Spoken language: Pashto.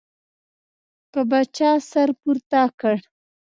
که به چا سر پورته کړ.